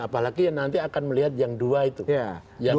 apalagi nanti akan melihat yang dua yang dua yang dua yang dua